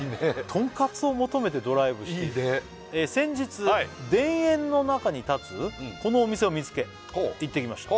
とんかつを求めてドライブしていいね「先日田園の中に建つこのお店を見つけ行ってきました」